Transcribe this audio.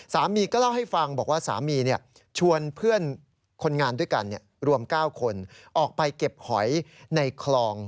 สามีก็เล่าให้ฟังบอกว่าสามีชวนเพื่อนคนงานด้วยกันรวม๙คนออกไปเก็บหอยในคลอง